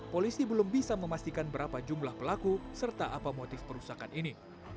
polisi belum bisa memastikan berapa jumlah pelaku serta apa motif perusakan ini